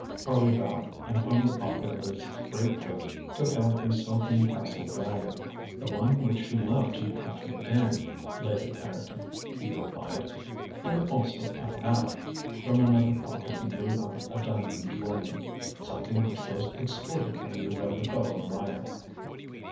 ŌĆØ Harley bowed, and from the pocket of his greatcoat took out a silken tasselled bag. ŌĆ£The one which you left in the Cafe Dame, Lady Ireton, ŌĆØ he replied. ŌĆ£Here also I haveŌĆØ from another pocket he drew out a diamond ring ŌĆ£something which was extorted from you by the fellow Meyer.